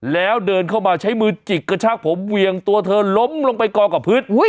แล้วเดินเข้ามาใช้มือจิกกระชากผมเวียงตัวเธอล้มลงไปกองกับพื้น